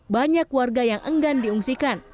banyak warga yang enggan diungsikan